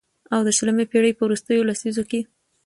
او د شلمې پېړۍ په وروستۍ لسيزه کې